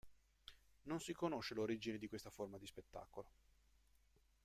Non si conosce l'origine di questa forma di spettacolo.